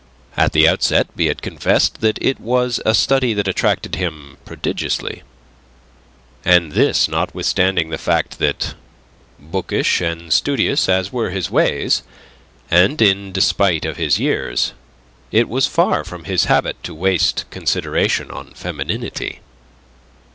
At the outset, be it confessed that it was a study that attracted him prodigiously. And this notwithstanding the fact that, bookish and studious as were his ways, and in despite of his years, it was far from his habit to waste consideration on femininity.